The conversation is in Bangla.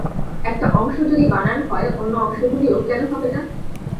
একটা অংশ যদি বানান হয়, অন্য অংশগুলিও কেন হবে না?